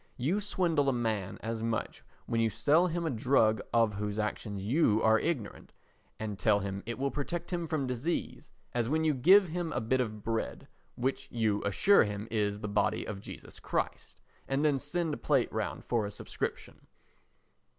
You swindle a man as much when you sell him a drug of whose action you are ignorant, and tell him it will protect him from disease, as when you give him a bit of bread, which you assure him is the body of Jesus Christ, and then send a plate round for a subscription.